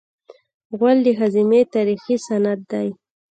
غول د هاضمې تاریخي سند دی.